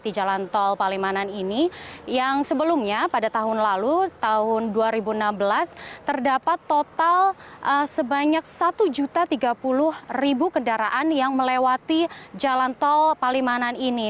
jadi ini adalah data dari jalan tol palimanan ini yang sebelumnya pada tahun lalu tahun dua ribu enam belas terdapat total sebanyak satu tiga puluh kendaraan yang melewati jalan tol palimanan ini